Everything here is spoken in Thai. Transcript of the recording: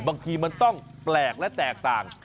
บางทีมันต้องแปลกและแตกต่าง